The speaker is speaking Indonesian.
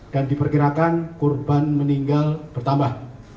dan diperkirakan korban meninggal bertambah